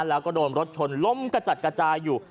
แล้วก็โดนรถชนล้มกระจัดอยู่